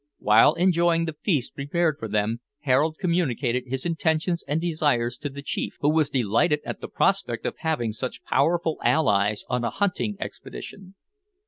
While enjoying the feast prepared for them, Harold communicated his intentions and desires to the chief, who was delighted at the prospect of having such powerful allies on a hunting expedition.